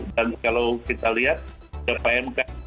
dan kalau kita lihat ke pmk